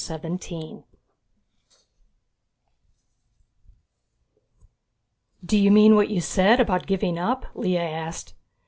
XVII "Do you mean what you said, about giving up?" Lea asked.